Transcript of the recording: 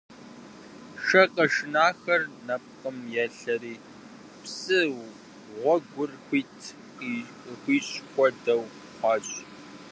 Шы къэшынахэр нэпкъым елъэри, псым гъуэгур хуит къытхуищӀ хуэдэу хъуащ.